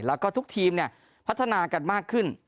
แล้วก็ทุกทีมพัฒนากันมากขึ้น